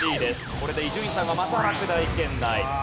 これで伊集院さんがまた落第圏内です。